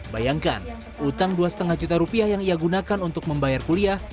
bayangkan utang dua lima juta rupiah yang ia gunakan untuk membayar kuliah